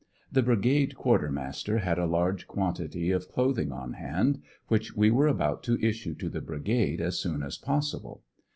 The brigade quarter master had a large quantity of cloth ing on hand, which we were about to issue to the brigade as soon as possible.